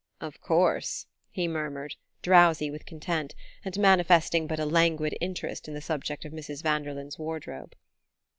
"Of course," he murmured, drowsy with content, and manifesting but a languid interest in the subject of Mrs. Vanderlyn's wardrobe.